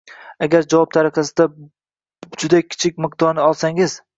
Agar javob tariqasida juda kichik miqdorni olsangiz.